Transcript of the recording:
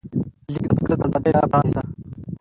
لیک د فکر د ازادۍ لاره پرانسته.